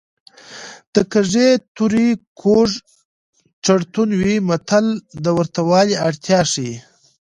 د کږې تورې کوږ چړتون وي متل د ورته والي اړتیا ښيي